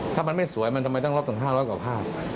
ถ้ามันไม่สวยมันทำไมต้องลบถึง๕๐๐กว่าภาพ